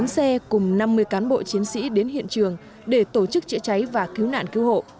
bốn xe cùng năm mươi cán bộ chiến sĩ đến hiện trường để tổ chức chữa cháy và cứu nạn cứu hộ